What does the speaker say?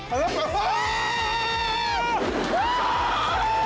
うわ！